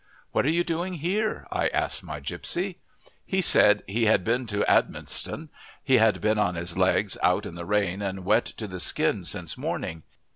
"What are you doing here?" I asked my gipsy. He said he had been to Idmiston; he had been on his legs out in the rain and wet to the skin since morning.